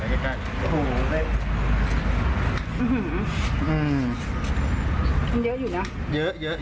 ยังเยอะอยู่เนาะ